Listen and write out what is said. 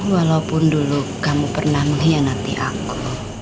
walaupun dulu kamu pernah mengkhianati aku